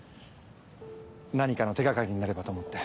何かの手掛かりになればと思って。